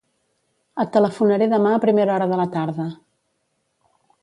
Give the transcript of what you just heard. Et telefonaré demà a primera hora de la tarda.